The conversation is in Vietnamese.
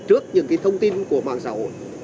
trước những thông tin của mạng xã hội